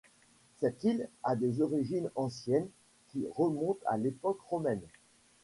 Cette île a des origines anciennes qui remontent à l'époque romaine.